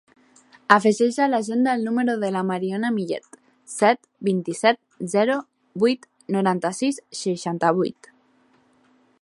Afegeix a l'agenda el número de la Mariona Millet: set, vint-i-set, zero, vuit, noranta-sis, seixanta-vuit.